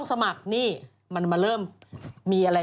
สวัสดีค่าข้าวใส่ไข่